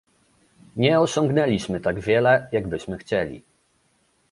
Nie osiągnęliśmy tak wiele, jak byśmy chcieli